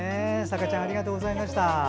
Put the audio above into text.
さかちやんありがとうございました。